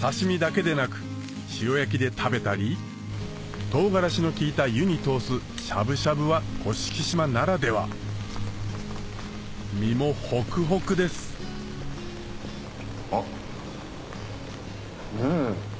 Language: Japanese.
刺し身だけでなく塩焼きで食べたり唐辛子の効いた湯に通すしゃぶしゃぶは甑島ならでは身もホクホクですあっん。